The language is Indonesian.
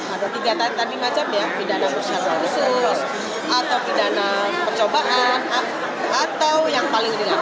ada tiga tanda yang tadi macam ya pidana khusus atau pidana percobaan atau yang paling ringan